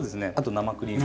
生クリーム？